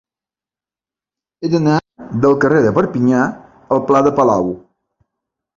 He d'anar del carrer de Perpinyà al pla de Palau.